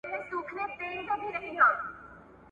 لوړ فکر د عمل پیل دی.